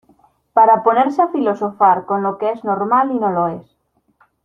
para ponerse a filosofar con lo que es normal y no lo es.